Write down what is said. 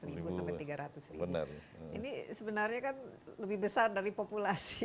ini sebenarnya kan lebih besar dari populasi